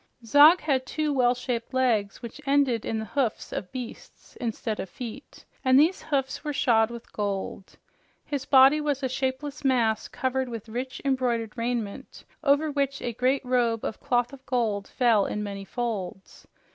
Zog had two well shaped legs which ended in the hoofs of beasts instead of feet, and these hoofs were shod with gold. His body was a shapeless mass covered with richly embroidered raiment, over which a great robe of cloth of gold fell in many folds.